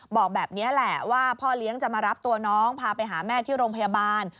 บอกแบบนี้แหละว่าพ่อเลี้ยงจะมารับตัวน้องพาไปหาแม่ที่โรงพยาบาล